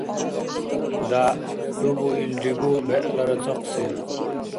ДягӀ хӀу буилригу бегӀлара цӀакьси!